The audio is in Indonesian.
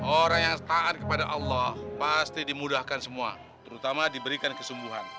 orang yang taat kepada allah pasti dimudahkan semua terutama diberikan kesungguhan